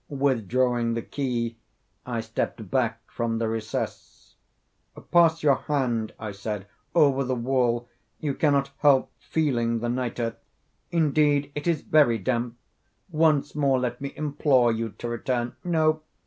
Withdrawing the key I stepped back from the recess. "Pass your hand," I said, "over the wall; you cannot help feeling the nitre. Indeed it is very damp. Once more let me implore you to return. No?